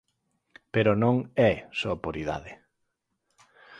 Pero non é só por idade.